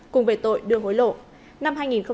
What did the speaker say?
cùng về tội đưa hối lộ